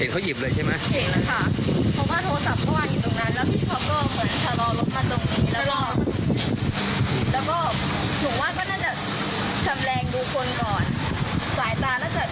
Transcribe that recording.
เขาหยิบเลยใช่ไหม